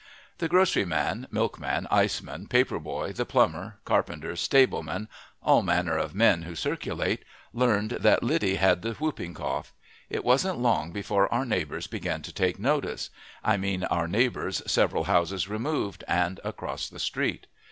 The groceryman, milkman, iceman, paper boy, the plumber, carpenter, stableman all manner of men who circulate learned that Lydie had the whooping cough. It wasn't long before our neighbors began to take notice I mean our neighbors several houses removed, and across the street.